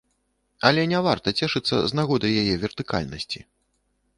Але не варта цешыцца з нагоды яе вертыкальнасці.